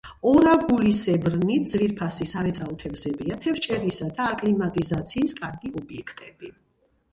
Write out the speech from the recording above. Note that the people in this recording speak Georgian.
ორაგულისებრნი ძვირფასი სარეწაო თევზებია, თევზჭერისა და აკლიმატიზაციის კარგი ობიექტები.